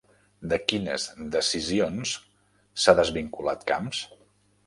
De quines decisions s'ha desvinculat Camps?